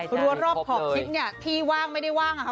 รั้วรอบขอบชิดเนี่ยที่ว่างไม่ได้ว่างอะค่ะ